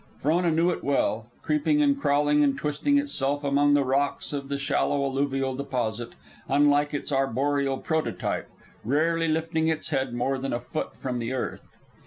Frona knew it well, creeping and crawling and twisting itself among the rocks of the shallow alluvial deposit, unlike its arboreal prototype, rarely lifting its head more than a foot from the earth.